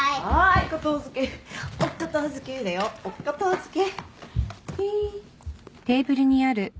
お片付けお片付けだよお片付け。